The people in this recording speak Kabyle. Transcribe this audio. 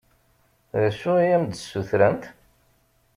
D acu i am-d-ssutrent?